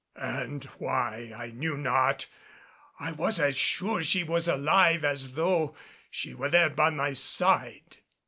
And why I knew not, I was as sure she was alive as though she were there by my side.